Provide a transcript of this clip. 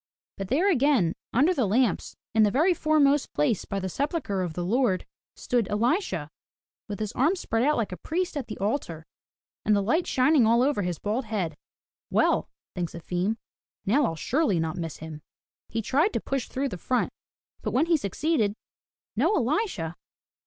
But there again, under the lamps, in the very foremost place by the sepulchre of the Lord, stood Elisha with his arms spread out like a priest at the altar, and the light shining all over his bald head. "Well," thinks Efim, "now I'll surely not miss him." He tried to push through to the front. But when he suc ceeded, no Elisha!